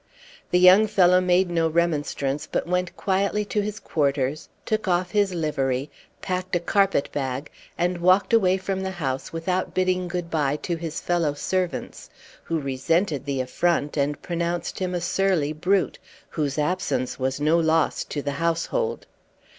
The young fellow made no remonstrance, but went quietly to his quarters, took off his livery, packed a carpet bag, and walked away from the house without bidding good by to his fellow servants, who resented the affront, and pronounced him a surly brute, whose absence was no loss to the household.